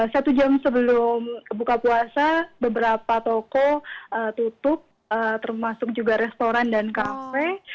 satu jam sebelum buka puasa beberapa toko tutup termasuk juga restoran dan kafe